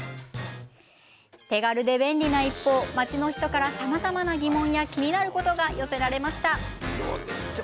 手軽で便利な一方街の人からさまざまな疑問や気になることが寄せられました。